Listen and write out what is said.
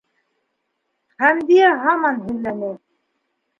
Хәмдиә һаман һөйләне.